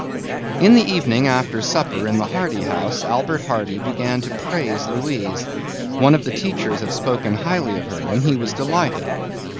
In the evening after supper in the Hardy house, Albert Hardy began to praise Louise. One of the teachers had spoken highly of her and he was delighted.